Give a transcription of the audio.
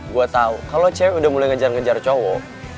gue tau kalau cewek udah mulai ngejar ngejar cowok